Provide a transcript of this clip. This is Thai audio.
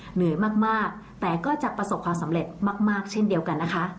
เหนื่อยมากแต่ก็จะประสบความสำเร็จมากเช่นเดียวกันนะคะ